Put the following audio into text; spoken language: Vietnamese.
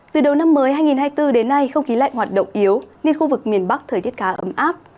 từ đầu năm mới hai nghìn hai mươi bốn đến nay không khí lạnh hoạt động yếu nên khu vực miền bắc thời tiết khá ấm áp